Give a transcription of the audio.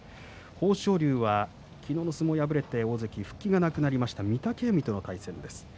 豊昇龍は昨日の相撲、敗れて大関復帰がなくなりました御嶽海との対戦です。